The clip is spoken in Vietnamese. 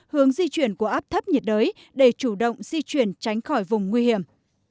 hướng di chuyển của áp thấp nhiệt đới để chủ động di chuyển tránh khỏi vùng nguy hiểm